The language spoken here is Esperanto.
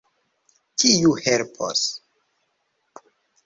Kiu helpos?